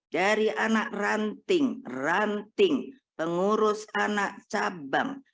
dari anak ranting ranting pengurus anak cabang